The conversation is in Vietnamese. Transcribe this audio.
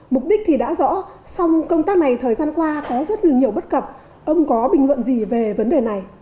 mục đích thì đã rõ xong công tác này thời gian qua có rất nhiều bất cập ông có bình luận gì về vấn đề này